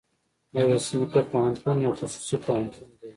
ميرويس نيکه پوهنتون يو خصوصي پوهنتون دی.